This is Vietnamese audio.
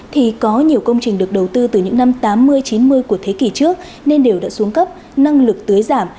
thì có nhiều công trình được đầu tư từ những năm tám mươi chín mươi của thế kỷ trước nên đều đã xuống cấp năng lực tưới giảm